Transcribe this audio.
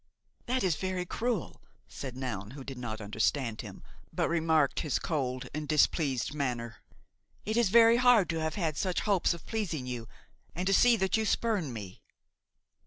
"That is very cruel," said Noun, who did not understand him, but remarked his cold and displeased manner; "it is very hard to have had such hopes of pleasing you and to see that you spurn me."